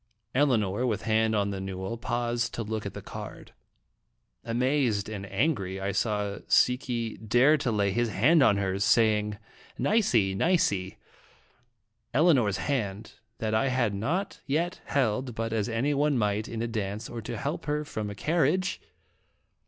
Elinor, with hand on the newel, paused to look at the card. Amazed and angry, I saw Si ki dare to lay his hand on hers, saying : "Nicey! Nicey!" io8 &lje Dramatic in Jttji Sleeting. Elinor's hand that I had not yet held but as any one might, in a dance, or to help her from a carriage!